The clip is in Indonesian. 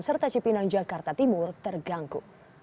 serta cipinang jakarta timur terganggu